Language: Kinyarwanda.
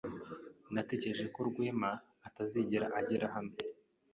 Natekereje ko Rwema atazigera agera hano.